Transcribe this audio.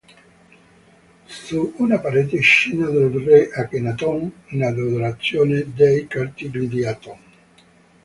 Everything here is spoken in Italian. Su una parete scena del re Akhenaton in adorazione dei cartigli di Aton.